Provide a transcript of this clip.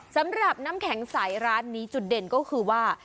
สำหรับน้ำแข็งใสร้านนี้จุดเด่นก็คือว่า